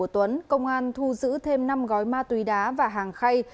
tuấn công an thu giữ thêm năm gói ma túy đá và hàng khay